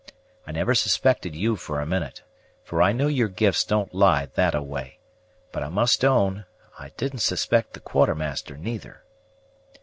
I never suspected you for a minute, for I know your gifts don't lie that a way; but, I must own, I didn't suspect the Quartermaster neither."